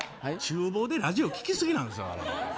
厨房でラジオ聴きすぎなんですよ。